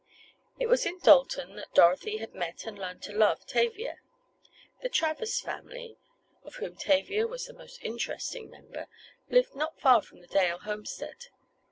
It was in Dalton that Dorothy had met and learned to love Tavia. The Travers family, of whom Tavia was the most interesting member, lived not far from the Dale homestead.